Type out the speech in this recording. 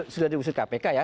sudah diusir kpk ya